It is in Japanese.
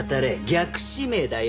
逆指名だよ。